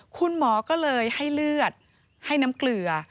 คุณหมอก็เลยให้เลือดให้น้ำเกลือ